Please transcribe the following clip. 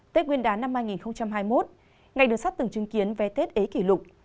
tết nguyên đá năm hai nghìn hai mươi một ngày đường sắt từng chứng kiến về tết ế kỷ lục